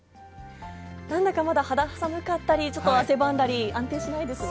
なんだかまだ肌寒かったり、ちょっと汗ばんだり、安定しないですね。